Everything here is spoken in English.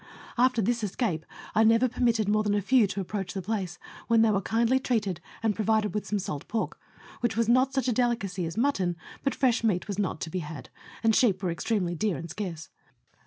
After this escape I never permitted more than a few to approach the place, when they were kindly treated and provided with some salt pork, which was not such a delicacy as mutton, but fresh meat was not to be had, and sheep were ex tremely dear and scarce.